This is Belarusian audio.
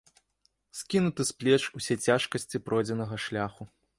Скінуты з плеч усе цяжкасці пройдзенага шляху.